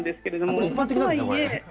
一般的なんですね、これ。